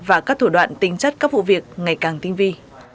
và các thủ đoạn tinh chất các vụ việc ngày càng tinh vi